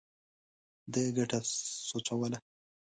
ده ګټه سوچوله.